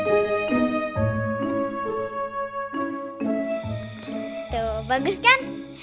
itu bagus kan